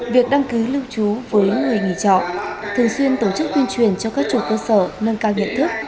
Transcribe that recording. việc đăng ký lưu trú với người nghỉ trọ thường xuyên tổ chức tuyên truyền cho các chủ cơ sở nâng cao nhận thức